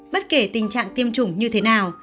bất kể tình trạng tiêm chủng như thế nào